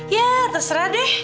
ya terserah deh